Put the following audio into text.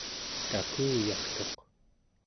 takuyartuq